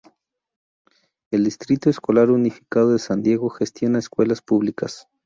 El Distrito Escolar Unificado de San Diego gestiona escuelas públicas.